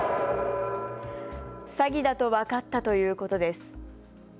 詐欺だと分かったということです。